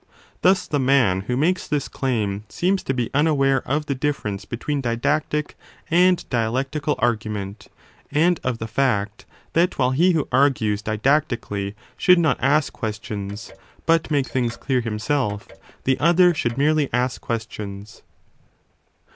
Thus the man who makes this claim seems to be unaware of the difference between didactic and dialectical argument, and of the fact \^ that while he who argues didactically should not ask ques tions but make things clear himself, the other should merely ask questions.